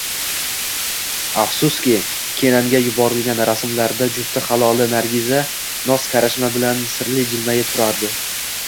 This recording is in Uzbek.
Afsuski, Kenanga yuborilgan rasmlarda jufti haloli Nargiza noz-karashma bilan sirli jilmayib turardi